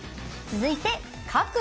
続いて角。